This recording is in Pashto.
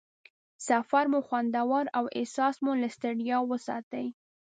سفر مو خوندور او احساس مو له ستړیا وساتي.